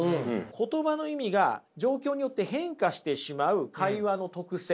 言葉の意味が状況によって変化してしまう会話の特性。